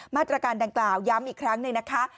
มาตรการดังกล่าวย้ำอีกครั้งหนึ่งนะคะ